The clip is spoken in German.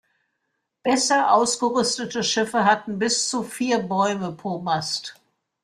Besser ausgerüstete Schiffe hatten bis zu vier Bäume pro Mast.